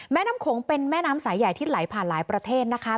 น้ำโขงเป็นแม่น้ำสายใหญ่ที่ไหลผ่านหลายประเทศนะคะ